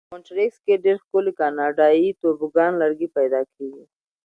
په مونټریکس کې ډېر ښکلي کاناډایي توبوګان لرګي پیدا کېږي.